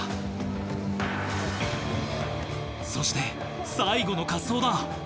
そして最後の滑走だ。